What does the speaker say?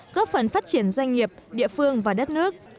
góp phần phát triển doanh nghiệp địa phương và đất nước